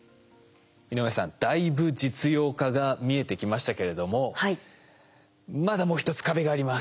井上さんだいぶ実用化が見えてきましたけれどもまだもう一つ壁があります。